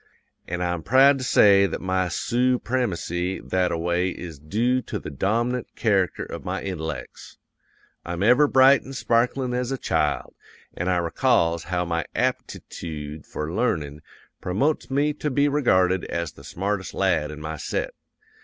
An' I'm proud to say that my soopremacy that a way is doo to the dom'nant character of my intellects. I'm ever bright an' sparklin' as a child, an' I recalls how my aptitoode for learnin' promotes me to be regyarded as the smartest lad in my set.